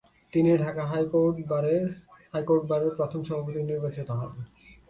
তিনি ঢাকা হাইকোর্ট বারের প্রথম সভাপতি নির্বাচিত হন।